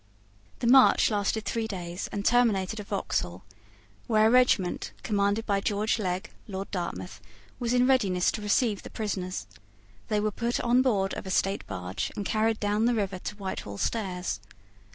The march lasted three days, and terminated at Vauxhall, where a regiment, commanded by George Legge, Lord Dartmouth, was in readiness to receive the prisoners. They were put on board of a state barge, and carried down the river to Whitehall Stairs.